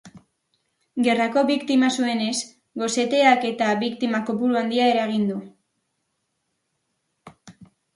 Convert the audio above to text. Gerrako biktima zuzenez gainera, goseteak ere biktima-kopuru handia eragin du.